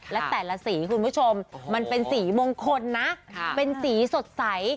และแต่ละสีคุณผู้ชมมันเป็นสีมงคลนะเป็นสีสดใส